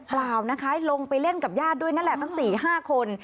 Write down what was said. เปล่านะคะลงไปเล่นกับญาติด้วยนั่นแหละทั้ง๔๕คน